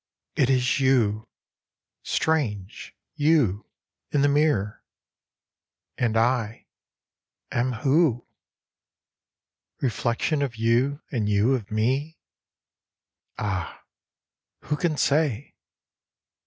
"It is you strange you, in the mirror, and I am who ? Reflexion of you and you of me ? Ah, who can say